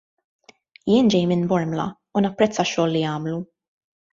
Jien ġej minn Bormla u napprezza x-xogħol li jagħmlu.